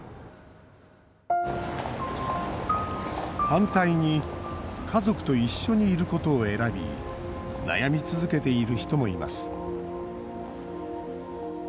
反対に家族と一緒にいることを選び悩み続けている人もいます